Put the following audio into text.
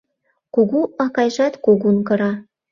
Кугу акайжат кугун кыра